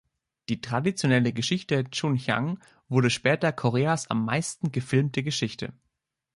Die traditionelle Geschichte, "Chunhyang", wurde später Koreas am meisten gefilmte Geschichte.